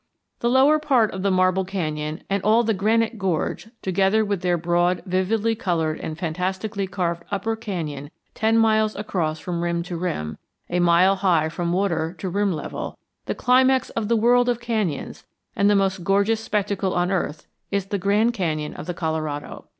The lower part of the Marble Canyon and all the Granite Gorge, together with their broad, vividly colored and fantastically carved upper canyon ten miles across from rim to rim, a mile high from water to rim level, the climax of the world of canyons and the most gorgeous spectacle on earth, is the Grand Canyon of the Colorado.